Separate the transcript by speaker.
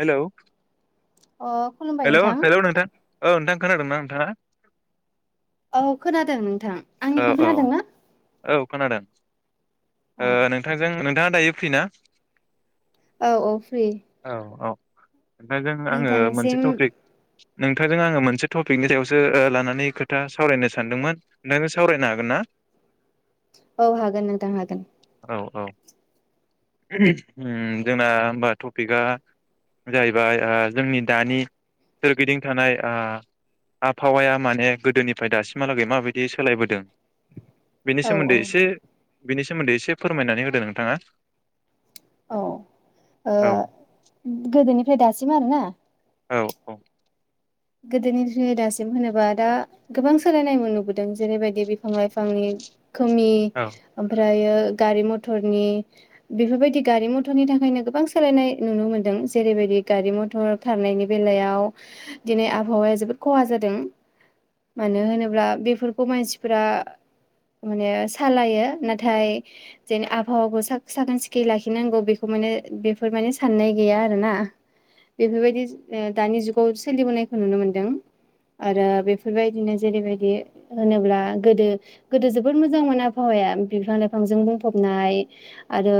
Speaker 1: हेल'
Speaker 2: अ खुलुमबाय
Speaker 1: हेल'
Speaker 2: नोंथां
Speaker 1: हेल' नोंथां। औ नोंथां खोनादोंना नोंथाङा?
Speaker 2: औ खोनादों नोंथां आंनिखौ खोनादों ना?
Speaker 1: खोनदों
Speaker 2: औ
Speaker 1: नोंथांजों नोंथा दायो फ्रिना?
Speaker 2: औ औ फ्रि।
Speaker 1: औ औ नोंथांजों आङो मोनसे
Speaker 2: नोंथांनिसिम
Speaker 1: टपिक नोंथांजों आङो मोनसे टपिकनि सायावसो लानानै खोथा सावरायनो सानदोंमोन। नोंथांजों सावरायनो हागोन ना?
Speaker 2: औ हागोन नोंथां हागोन।
Speaker 1: औ औ जोंना होमबा टपिकआ जाहैबाय जोंनि दानि सोरगिदिं थानाय आबहावाया माने गोदोनिफ्राय दासिमहालागै माबायदि सोलायबोदों बेनि
Speaker 2: औ औ
Speaker 1: सोमोन्दै एसे बिनि सोमोन्दै एसे फोरमायनानै होदो नोंथाङा।
Speaker 2: औ ओ
Speaker 1: औ
Speaker 2: गोदोनिफ्राय दासिम आरो ना
Speaker 1: औ औ
Speaker 2: गोदोनिफ्राय दासिम होनोबा दा गोबां सोलायनाय नुबोदों। जेरैबायदि बिफां लाइफांनि खोमि,
Speaker 1: औ
Speaker 2: ओमफ्रायो गारि-मथरनि बेफोरबायदि गारि-मथरनि थाखायनो गोबां सोलायनाय नुनो मोनदों। जेरैबायदि गारि-मथर खारनायनि बेलायाव दिनै आबहावाया जोबोद खहा जादों। मानो होनोब्ला बेफोरखौ मानसिफोरा माने सालायो नाथाय जेन आबहावाखौ साखोन- सिखोन लाखिनांगौबेखौ माने गैया आरोना दिनै आबहावाया जोबोद खहा जादों। मानो होनोब्ला बेफोरखौ मानसिफोरा माने सालायो। नाथाय, जेन आबहावाखौ साखोन-सिखोनै लाखिनांगौ बेखौ माने साननाय गैया आरोना। बेफोरबायदि दानि जुगाव सोलिबोनायखौ नुनो मोनदों आरो बेफोरबायदिनो जेरैबायदि होनोब्ला गोदो गोदो जोबोद मोजांमोन आबहावाया बिफां-लाइफांजों बुंफबनाय आरो